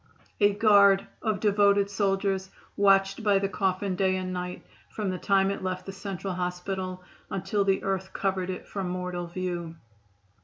A guard of devoted soldiers watched by the coffin day and night from the time it left the Central Hospital until the earth covered it from mortal view.